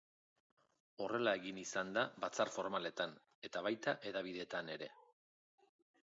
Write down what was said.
Horrela egin izan da batzar formaletan eta baita hedabideetan ere.